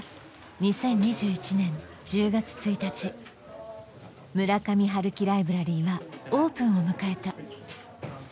２０２１年１０月１日「村上春樹ライブラリー」はオープンを迎えた